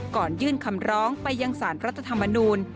ก่อนยื่นคำร้องไปยังสารรัฐธรรมนูล